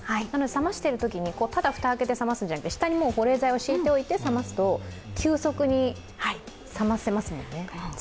冷ましているときにただ蓋を開けて冷ますんじゃなくて下に保冷剤を敷いておいて冷ますと急速に冷ませますもんね。